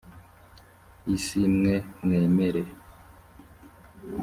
isi g mwe mwemere